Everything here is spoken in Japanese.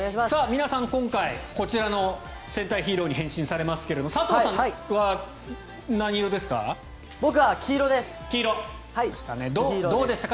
皆さん今回こちらの戦隊ヒーローに変身されますけど佐藤さんは何色ですか？